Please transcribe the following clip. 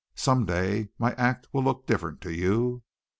Some day my act will look different to you.